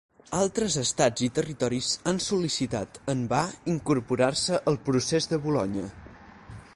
Altres estats i territoris han sol·licitat en va incorporar-se al Procés de Bolonya.